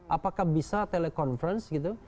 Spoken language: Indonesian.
apakah bisa telekonferensi gitu